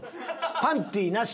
パンティなし。